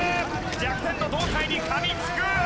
弱点の胴体に噛みつく！